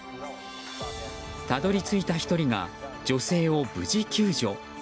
たどり着いた１人が女性を無事、救助。